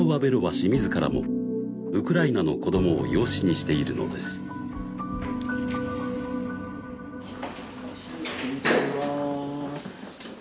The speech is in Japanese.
氏自らもウクライナの子どもを養子にしているのですこんにちはー